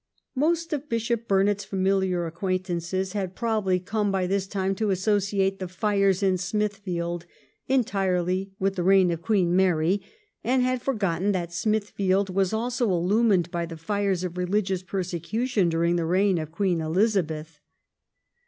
Most of Bishop Burnet's familiar acquain tances had probably come by this time to associate the fires in Smithfield entirely with the reign of Queen Mary, and had forgotten that Smithfield was also illuminated by the fires of religious perse cution during the reign of Queen Elizabeth.